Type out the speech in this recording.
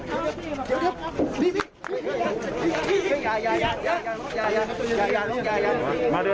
เดี๋ยวเดี๋ยวเดี๋ยวเอาเอาเอาเอาเอาให้ให้ให้ทับแผน